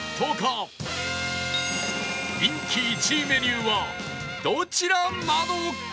人気１位メニューはどちらなのか？